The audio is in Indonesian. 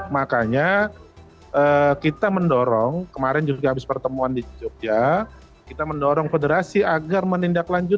makanya kita mendorong kemarin juga habis pertemuan di jogja kita mendorong federasi agar menindaklanjuti